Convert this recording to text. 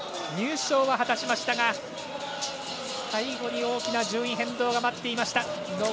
入賞は果たしましたが最後に大きな順位変動が待っていました。